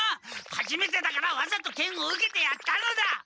はじめてだからわざと剣を受けてやったのだ！